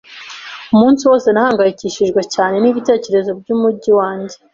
Umunsi wose, nahangayikishijwe cyane nibitekerezo byumujyi wanjye.